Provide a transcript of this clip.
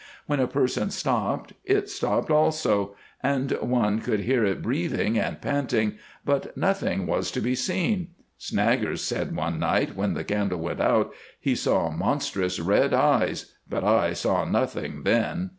When a person stopped, it stopped also, and one could hear it breathing and panting, but nothing was to be seen. Snaggers said one night when the candle went out he saw monstrous red eyes, but I saw nothing then.